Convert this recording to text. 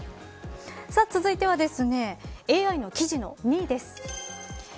続いてはＡＩの記事の２位です。